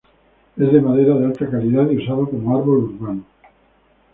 Es de madera de alta calidad, y usado como árbol urbano.